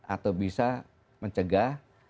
atau bisa mencegah